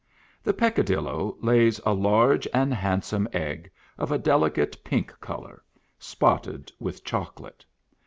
" The Peccadillo lays a large and handsome egg, of a delicate pink color, spotted with chocolate.